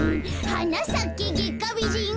「はなさけゲッカビジン」